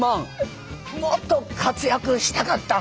もっと活躍したかった？